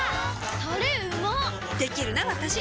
タレうまっできるなわたし！